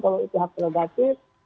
kalau itu hak tergantung